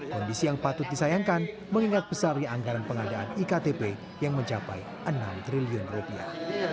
kondisi yang patut disayangkan mengingat besarnya anggaran pengadaan iktp yang mencapai enam triliun rupiah